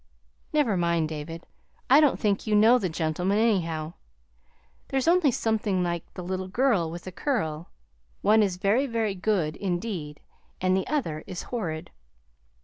"Never mind, David. I don't think you know the gentlemen, anyhow. They're only something like the little girl with a curl. One is very, very good, indeed, and the other is horrid."